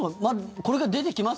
これから出てきます？